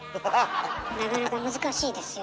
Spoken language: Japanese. なかなか難しいですよ。